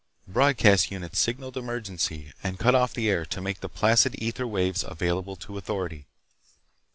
Broadcast units signaled emergency and cut off the air to make the placid ether waves available to authority.